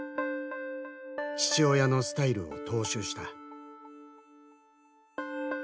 父親のスタイルを踏襲した。